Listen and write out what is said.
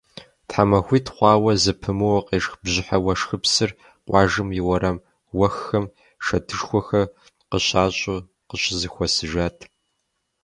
ТхьэмахуитӀ хъуауэ зэпымыууэ къешх бжьыхьэ уэшхыпсыр къуажэм и уэрам уэххэм шэдышхуэхэр къыщащӀу къыщызэхуэсыжат.